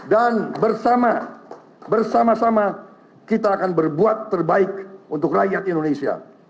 dan bersama sama kita akan berbuat terbaik untuk rakyat indonesia